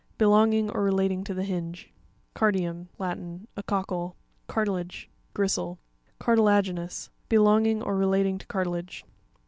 Belonging or re lating to the hinge (pages 99, 100). Carpi'um.—Latin, a cockle. Car'TILAGE.—Gristle, CartiLa'ainous.— Belonging or re lating to cartilage.